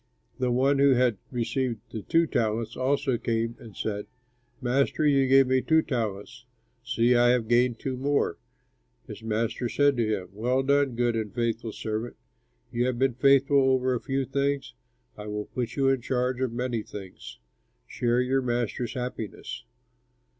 "The one who had received the two talents also came and said, 'Master, you gave me two talents. See, I have gained two more.' His master said to him, 'Well done, good and faithful servant! You have been faithful over a few things, I will put you in charge of many things. Share your master's happiness.'